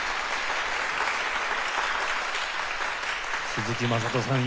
鈴木優人さん